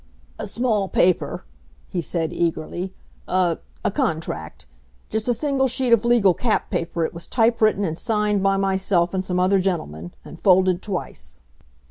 "A small paper," he said eagerly. "A a contract just a single sheet of legal cap paper it was type written and signed by myself and some other gentlemen, and folded twice."